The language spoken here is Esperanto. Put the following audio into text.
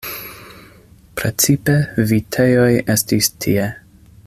Precipe vitejoj estis tie.